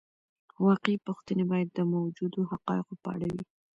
واقعي پوښتنې باید د موجودو حقایقو په اړه وي.